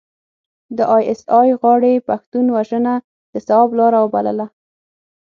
د ای اس ای غاړې پښتون وژنه د ثواب لاره وبلله.